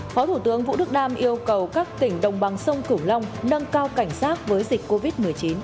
phó thủ tướng vũ đức đam yêu cầu các tỉnh đồng bằng sông cửu long nâng cao cảnh sát với dịch covid một mươi chín